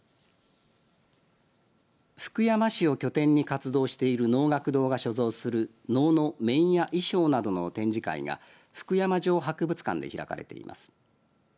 福山市を拠点に活動している能楽堂が所蔵する能の面や衣装などの展示会が福山城博物館で開かれています。